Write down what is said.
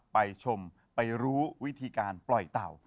ไปชมไปรู้วิธีการปล่อยเต่า